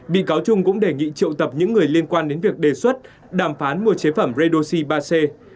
bị cáo trung cũng đề nghị triệu tập những người liên quan đến việc đề xuất đàm phán mua chế phẩm redoxi ba c